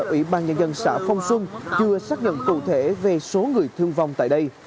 ủy ban nhân dân xã phong xuân chưa xác nhận cụ thể về số người thương vong tại đây